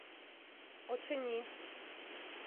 — Очыни.